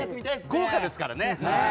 豪華ですからね。